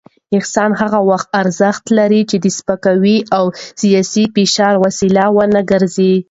احسان هغه وخت ارزښت لري چې د سپکاوي او سياسي فشار وسیله ونه ګرځي.